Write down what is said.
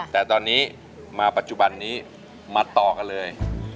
แต่ตอนนี้มาปัจจุบันนี้มาต่อกันเลย